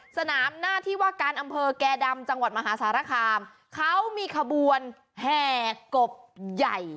สนามหน้าที่ว่าการอำเภอแก่ดำจังหวัดมหาสารคามเขามีขบวนแห่กบใหญ่